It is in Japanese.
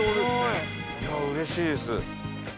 いやうれしいです。